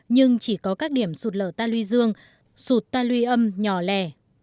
nhưng chỉ có các điểm sụt lở ta lui dương sụt ta lui âm nhỏ lẻ